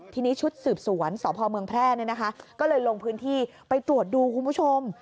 ทีนี้ชุดสืบสวนสพเมืองแพร่ก็เลยลงพื้นที่ไปตรวจดูคุณผู้ชม